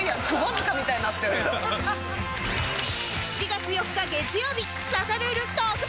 ７月４日月曜日